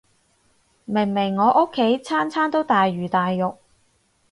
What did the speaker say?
明明我屋企餐餐都大魚大肉